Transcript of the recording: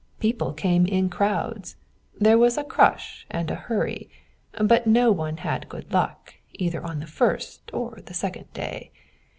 People came in crowds; there was a crush and a hurry, but no one had good luck either on the first or second day.